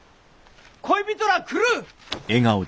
恋人ら来る！